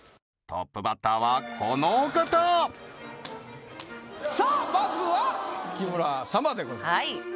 トップバッターはこのお方さあまずは木村様でございます